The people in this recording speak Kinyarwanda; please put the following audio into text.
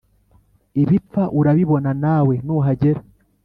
ibipfa urabibona nawe nuhagera